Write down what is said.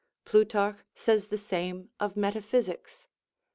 Plutarch says the same of metaphysics.